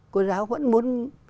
cô giáo vẫn muốn